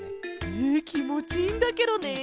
えきもちいいんだケロね。